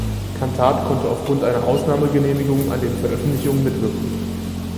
Cantat konnte aufgrund einer Ausnahmegenehmigung an den Veröffentlichungen mitwirken.